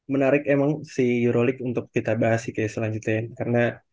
menarik emang si eurolik untuk kita bahas sih kayak selanjutnya karena